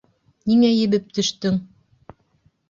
Ниңә ебеп төштөң?